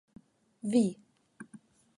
vi